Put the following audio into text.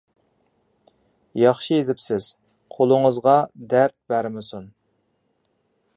ياخشى يېزىپسىز، قولىڭىزغا دەرد بەرمىسۇن.